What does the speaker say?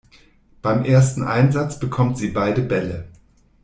Beim ersten Einsatz bekommt sie beide Bälle.